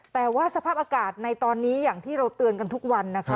แต่ว่าสภาพอากาศในตอนนี้อย่างที่เราเตือนกันทุกวันนะคะ